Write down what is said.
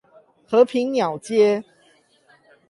和平鳥街